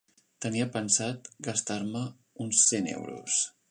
Tenia pensat gastar-me uns cent euros.